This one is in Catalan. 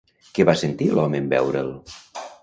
Què va sentir l'home en veure'l?